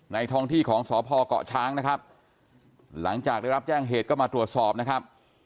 ท้องที่ของสพเกาะช้างนะครับหลังจากได้รับแจ้งเหตุก็มาตรวจสอบนะครับ